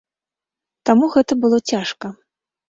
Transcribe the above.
Таму гэта было цяжка.